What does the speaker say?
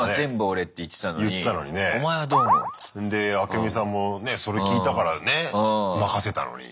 でアケミさんもねそれ聞いたからね任せたのに。